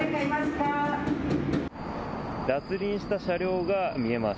脱輪した車両が見えます。